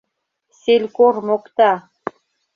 Селькор мокта.